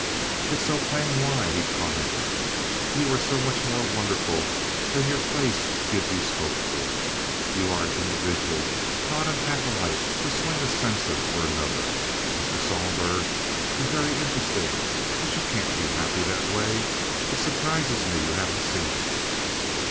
"It is so plain why," he commented. "You are so much more wonderful than your place gives you scope for. You are an individual, not an acolyte to swing a censer for another. Mr. Sohlberg is very interesting, but you can't be happy that way. It surprises me you haven't seen it."